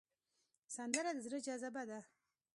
سندره د زړه جذبه ده